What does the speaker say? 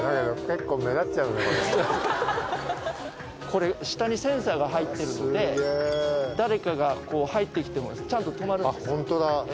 これ下にセンサーが入ってるので誰かがこう入ってきてもちゃんと止まるんです。